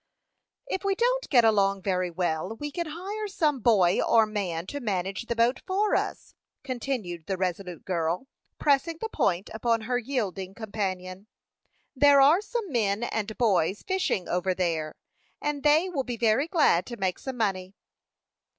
"If we don't get along very well, we can hire some boy or man to manage the boat for us," continued the resolute girl, pressing the point upon her yielding companion. "There are some men and boys fishing over there, and they will be very glad to make some money."